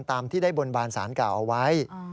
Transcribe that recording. ตามที่ได้บนบานสารกล่าวเอาไว้